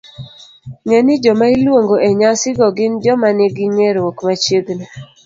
Ng'e ni joma iluongo e nyasi go gin joma nigi ng'eruok machiegni